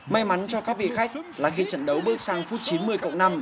may mắn cho các vị khách là khi trận đấu bước sang phút chín mươi cộng năm